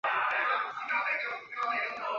山东乡试第三十九名。